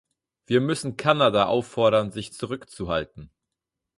Wir müssen Kanada auffordern, sich zurückzuhalten.